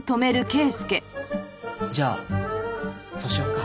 じゃあそうしようか。